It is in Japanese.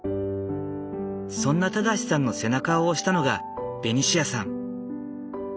そんな正さんの背中を押したのがベニシアさん。